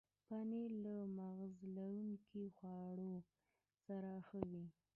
پنېر له مغز لرونکو خواړو سره ښه وي.